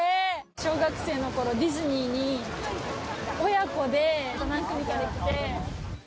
小学生のころ、ディズニーに、親子で何組かで来て。